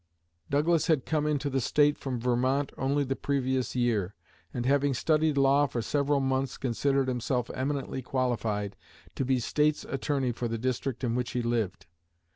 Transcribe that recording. Douglas had come into the State from Vermont only the previous year, and having studied law for several months considered himself eminently qualified to be State's attorney for the district in which he lived.